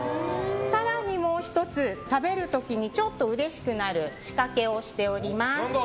更に、もう１つ食べる時にちょっとうれしくなる仕掛けをしております。